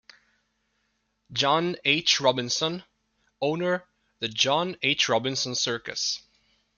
John H. Robinson, owner the John H. Robinson Circus.